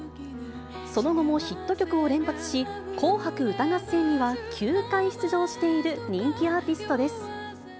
その後もヒット曲を連発し、紅白歌合戦には９回出場している人気アーティストです。